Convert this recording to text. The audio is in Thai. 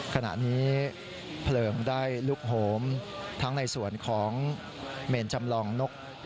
ขณะนี้เพลิงได้ลุกโหมทั้งในส่วนของเมนจำลองนก